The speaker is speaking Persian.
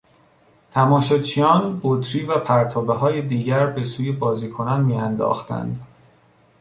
تماشاچیان بطری وپرتابههای دیگر به سوی بازیکنان میانداختند.